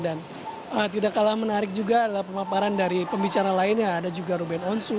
dan tidak kalah menarik juga adalah pemaparan dari pembicara lainnya ada juga ruben onsu